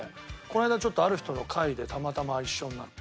この間ちょっとある人の会でたまたま一緒になって。